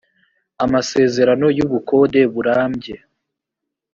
amasezerano y ubukode burambye